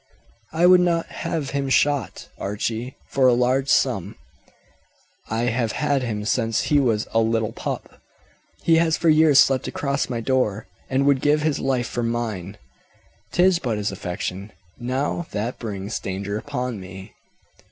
"I would not have him shot, Archie, for a large sum. I have had him since he was a little pup; he has for years slept across my door, and would give his life for mine. 'Tis but his affection now that brings danger upon me."